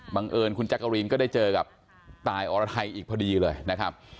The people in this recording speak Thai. เอิญคุณแจ๊กกะรีนก็ได้เจอกับตายอรไทยอีกพอดีเลยนะครับ